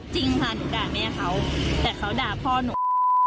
จริงค่ะหนูด่าแม่เขาแต่เขาด่าพ่อหนู